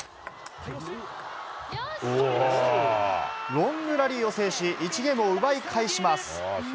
ロングラリーを制し、１ゲームを奪い返します。